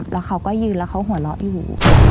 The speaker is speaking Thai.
แล้วเขาก็ยืนแล้วเขาหัวเราะอยู่